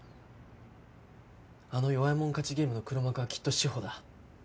あの弱い者勝ちゲームの黒幕はきっと志法だ。